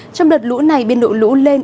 trong đợt lũ này biên độ lũ lên